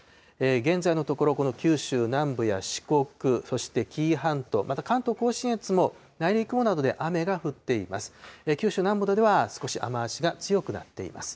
現在のところ、この九州南部や四国、そして紀伊半島、また関東甲信越も、内陸などで雨が降っています。